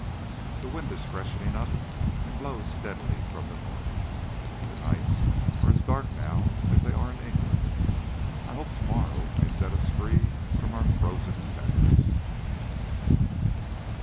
The wind is freshening up, and blows steadily from the north. The nights are as dark now as they are in England. I hope to morrow may set us free from our frozen fetters.